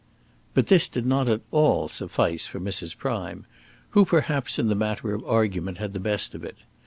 But this did not at all suffice for Mrs. Prime, who, perhaps, in the matter of argument had the best of it.